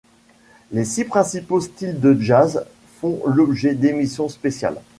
Les six principaux styles de jazz font l'objet d'émissions spéciales.